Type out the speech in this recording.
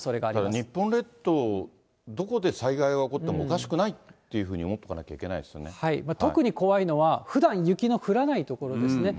日本列島、どこで災害が起こってもおかしくないっていうふうに思っとかない特に怖いのは、ふだん雪の降らない所ですね。